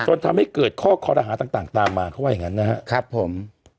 จนทำให้เกิดข้อคอรหาต่างตามมาเขาว่าอย่างนั้นนะครับผม